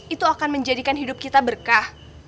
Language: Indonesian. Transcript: itu akan menjadikan hidup kita berkah